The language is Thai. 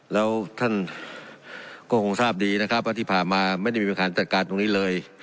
แล้วท่านก็คงทราบดีนะครับว่าที่ผ่านมาไม่ได้มีปัญหาจัดการตรงนี้เลย